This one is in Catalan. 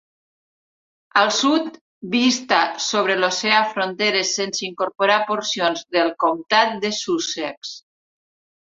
Al sud, vista sobre l'oceà fronteres sense incorporar porcions del Comtat de Sussex.